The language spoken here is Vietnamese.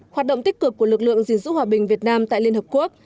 hoạt động tích cực của lực lượng gìn giữ hòa bình việt nam tại liên hợp quốc